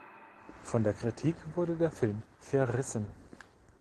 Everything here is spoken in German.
Von der Kritik wurde der Film verrissen.